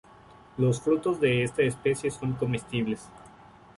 Los frutos de esta especie son comestibles.